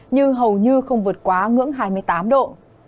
như hầu như không vượt quá ngưỡng hai mươi tám độ